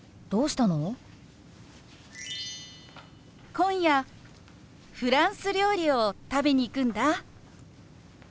今夜フランス料理を食べに行くんだ。